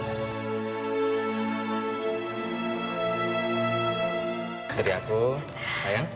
jadi aku sayang